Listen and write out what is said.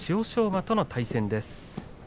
馬との対戦です。